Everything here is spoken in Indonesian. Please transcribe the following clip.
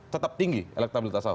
tetap tinggi elektabilitas ahok